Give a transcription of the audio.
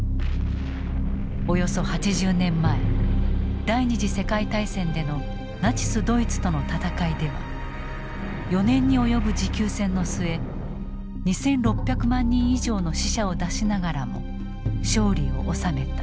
およそ８０年前第２次世界大戦でのナチス・ドイツとの戦いでは４年に及ぶ持久戦の末２，６００万人以上の死者を出しながらも勝利を収めた。